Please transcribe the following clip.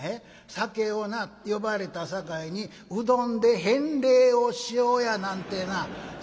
酒をな呼ばれたさかいにうどんで返礼をしようやなんてなそんな気を遣たらいかん」。